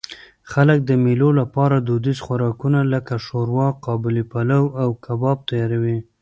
خلک د مېلو له پاره دودیز خوراکونه؛ لکه ښوروا، قابلي پلو، او کباب تیاروي.